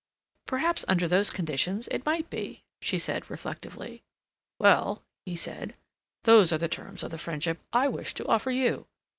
"Perhaps under those conditions it might be," she said reflectively. "Well," he said, "those are the terms of the friendship I wish to offer you."